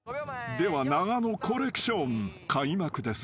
［では永野コレクション開幕です］